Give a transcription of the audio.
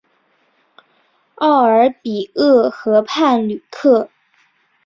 奥尔比厄河畔吕克。